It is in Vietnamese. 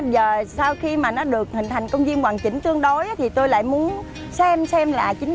thật sự lúc này khi em hỏi về vấn đề này thì tôi đang rất xúc động